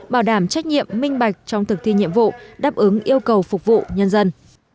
bảo đảm trách nhiệm minh bạch trong thực thi nhiệm vụ đáp ứng yêu cầu phục vụ nhân dân